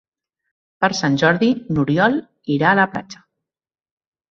Per Sant Jordi n'Oriol irà a la platja.